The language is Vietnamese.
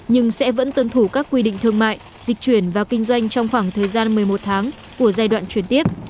nhưng sẽ vẫn tuân thủ các quy định thương mại dịch chuyển và kinh doanh trong khoảng thời gian một mươi một tháng của giai đoạn chuyển tiếp